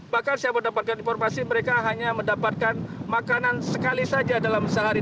bahkan saya mendapatkan informasi mereka hanya mendapatkan makanan sekali saja dalam sehari